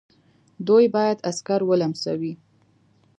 دوی باید عسکر ولمسوي.